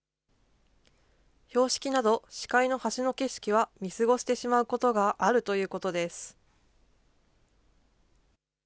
標識など、視界の端の景色は見過ごしてしまうことがあるということです。